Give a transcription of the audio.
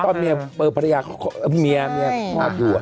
ตอนเมียเบอร์ภรรยาเมียคลอดด่วน